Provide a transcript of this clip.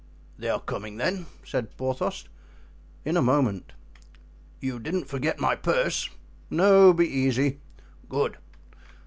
"They are coming, then?" said Porthos. "In a moment." "You didn't forget my purse?" "No; be easy." "Good."